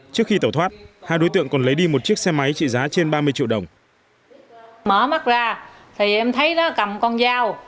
trước khi tẩu thoát hai đối tượng còn lấy đi một chiếc xe máy trị giá trên ba mươi triệu đồng